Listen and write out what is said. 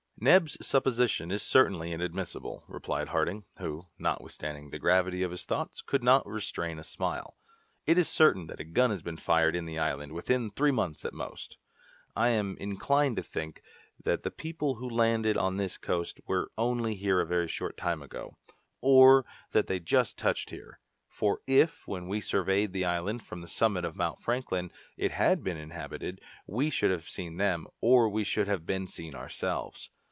"Neb's supposition is certainly inadmissible," replied Harding, who, notwithstanding the gravity of his thoughts, could not restrain a smile. "It is certain that a gun has been fired in the island, within three months at most. But I am inclined to think that the people who landed on this coast were only here a very short time ago, or that they just touched here; for if, when we surveyed the island from the summit of Mount Franklin, it had been inhabited, we should have seen them or we should have been seen ourselves.